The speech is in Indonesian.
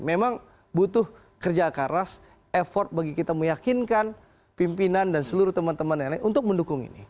memang butuh kerja keras effort bagi kita meyakinkan pimpinan dan seluruh teman teman yang lain untuk mendukung ini